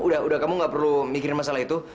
udah udah kamu nggak perlu mikirin masalah itu